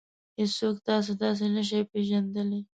هېڅوک تاسې داسې نشي پېژندلی.